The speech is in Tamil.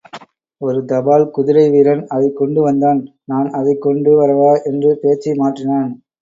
ஒரு தபால் குதிரை வீரன் அதைக் கொண்டு வந்தான், நான் அதைக் கொண்டு வரவா? என்று பேச்சை மாற்றினான்.